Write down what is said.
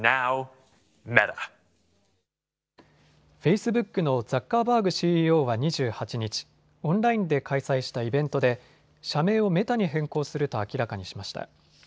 フェイスブックのザッカーバーグＣＥＯは２８日、オンラインで開催したイベントで社名をメタに変更すると明らかにしました。